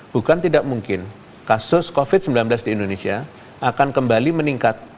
bukan tidak mungkin kasus covid sembilan belas di indonesia akan kembali meningkat